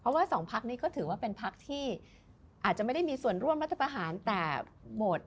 เพราะว่าสองพักนี่ก็ถือว่าเป็นพักที่อาจจะไม่ได้มีส่วนร่วมรัฐบาหารแต่หมดให้และเข้าร่วมภารกรรม